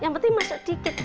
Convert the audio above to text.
yang penting masuk dikit